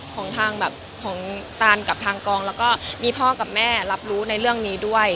ของตานกับทางกองและมีพ่อกับแม่รับรู้ในเรื่องนี้ด้วย